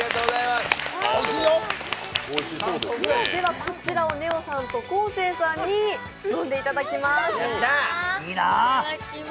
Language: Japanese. こちらをねおさんと昴生さんに飲んでいただきます。